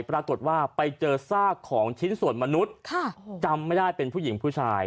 ปรากฏว่าไปเจอซากของชิ้นส่วนมนุษย์จำไม่ได้เป็นผู้หญิงผู้ชาย